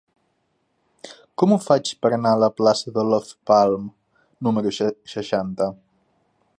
Com ho faig per anar a la plaça d'Olof Palme número seixanta?